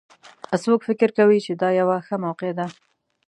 څوک فکر کوي چې دا یوه ښه موقع ده